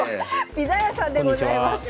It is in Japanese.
ピザ屋さんでございます。